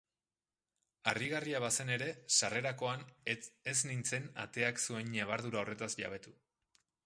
Harrigarria bazen ere, sarrerakoan ez nintzen ateak zuen ñabardura horretaz jabetu.